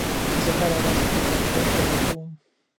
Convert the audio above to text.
زه هره ورځ خپل کمپیوټر تازه کوم.